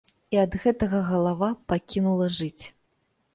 І ад гэтага галава пакінула жыць.